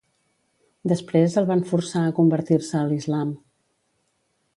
Després el van forçar a convertir-se a l'Islam.